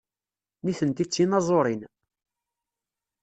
Nitenti d tinaẓurin.